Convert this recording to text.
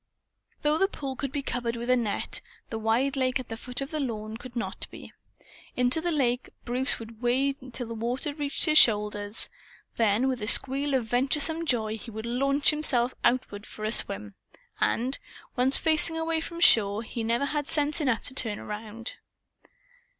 Though the pool could be covered with a net, the wide lake at the foot of the lawn could not be. Into the lake Bruce would wade till the water reached his shoulders. Then with a squeal of venturesome joy, he would launch himself outward for a swim; and, once facing away from shore, he never had sense enough to turn around.